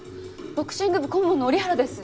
ボクシング部顧問の折原です。